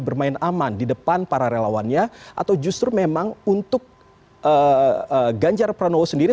bermain aman di depan para relawannya atau justru memang untuk ganjar pranowo sendiri